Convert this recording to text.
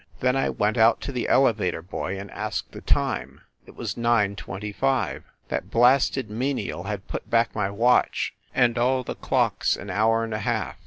Then I went out to the elevator boy and asked the time. It was nine twenty five! That blasted menial had put back my watch and all the clocks an hour and a half.